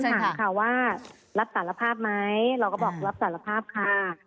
ถามค่ะว่ารับสารภาพไหมเราก็บอกรับสารภาพค่ะ